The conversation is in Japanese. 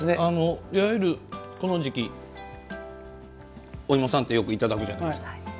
いわゆる、この時期、お芋さんはよくいただくじゃないですか。